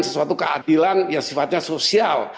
sesuatu keadilan yang sifatnya sosial